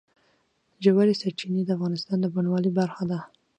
ژورې سرچینې د افغانستان د بڼوالۍ برخه ده.